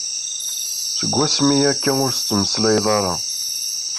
Seg wasmi akka ur as-tettmeslayeḍ ara?